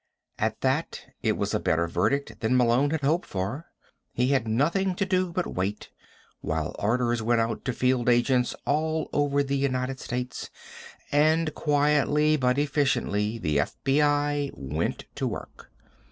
At that, it was a better verdict than Malone had hoped for. He had nothing to do but wait, while orders went out to field agents all over the United States, and quietly, but efficiently, the FBI went to work.